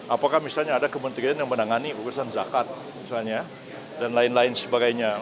apakah misalnya ada kementerian yang menangani keputusan zakat misalnya dan lain lain sebagainya